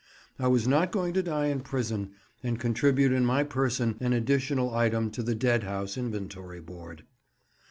I was not going to die in prison, and contribute in my person an additional item to the dead house inventory board.